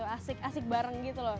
asik asik bareng gitu loh